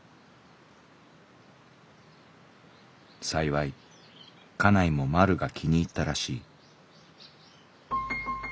「幸い家内もまるが気に入ったらしい」。